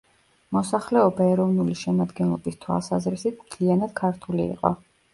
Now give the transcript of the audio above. მოსახლეობა ეროვნული შემადგენლობის თვალსაზრისით მთლიანად ქართული იყო.